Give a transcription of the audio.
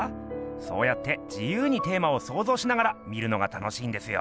そうやって自由にテーマをそうぞうしながら見るのが楽しいんですよ。